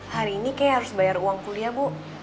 hari ini kei harus bayar uang kuliah